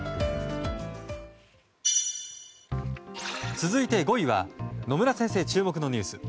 続いて５位は野村先生、注目のニュース。